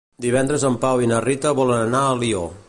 Divendres en Pau i na Rita volen anar a Alió.